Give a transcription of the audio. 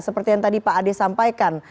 seperti yang tadi pak ade sampaikan